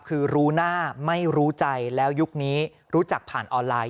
คือรู้หน้าไม่รู้ใจแล้วยุคนี้รู้จักผ่านออนไลน์